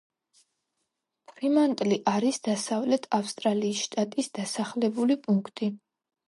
ფრიმანტლი არის დასავლეთ ავსტრალიის შტატის დასახლებული პუნქტი.